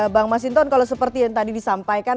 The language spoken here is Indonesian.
bang mas hinton kalau seperti yang tadi disampaikan